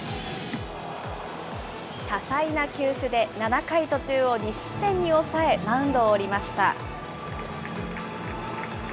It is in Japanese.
多彩な球種で７回途中を２失点に抑え、マウンドを降りました。